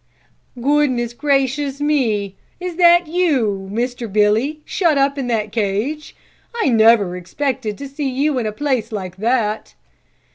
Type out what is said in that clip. "Goodness gracious me! Is that you, Mr. Billy, shut up in that cage? I never expected to see you in a place like that."